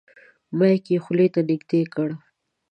مایک یې خولې ته نږدې کړ.